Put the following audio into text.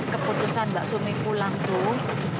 keputusan mbak sumi pulang tuh